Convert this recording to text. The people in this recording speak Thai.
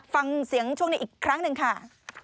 ฟังเสียงช่วงนี้อีกครั้งหนึ่งค่ะ